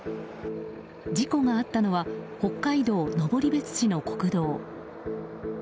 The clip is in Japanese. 事故があったのは北海道登別市の国道。